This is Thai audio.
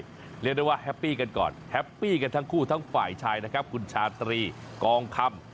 เรียกได้ว่าแฮปปี้กันก่อนแฮปปี้กันทั้งคู่ทั้งฝ่ายชายนะครับคุณชาตรีกองคำ